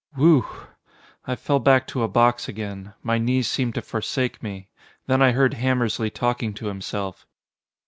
Whew! I fell back to a box again. My knees seemed to forsake me. Then I heard Hammersly talking to himself.